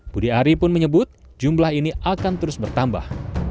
budi ari pun menyebut jumlah ini akan terus bertambah